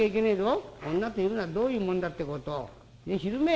女というのはどういうもんだってことを知るめえ。